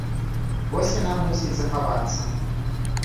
Вось яна мусіць захавацца.